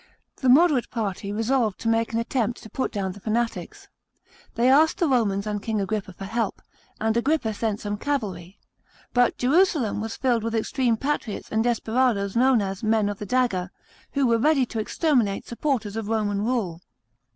The moderate party resolved to make an attempt to put down the fanatics. They asked the Romans and King Agrippa for help; and Agrippa sent some cavalry. But Jerusalem was filled with extreme patriots and desperadoes known as " men of the dagger," who were ready to exterminate supporters of Roman rule.